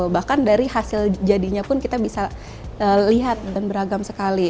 bahkan dari hasil jadinya pun kita bisa lihat dan beragam sekali